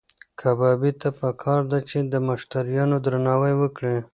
کبابي ته پکار ده چې د مشتریانو درناوی وکړي.